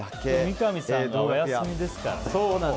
三上さんがお休みですからね。